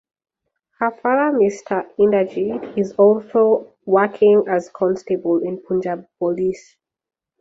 Her father Mister Inderjeet is also working as constable in Punjab police.